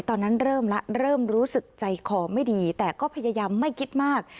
ตอนนั้นเริ่มแล้วเริ่มรู้สึกใจคอไม่ดีแต่ก็พยายามไม่คิดมาก